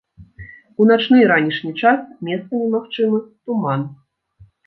У начны і ранішні час месцамі магчымы туман.